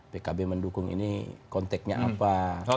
pkb mendukung ini konteknya apa